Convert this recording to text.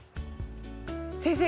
先生